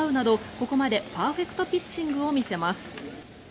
ここまでパーフェクトピッチングを見せます。